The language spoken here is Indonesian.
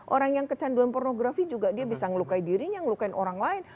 orang yang kecanduan pornografi juga dia bisa ngelukai dirinya ngelukai orang lain